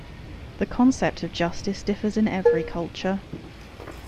The concept of justice differs in every culture.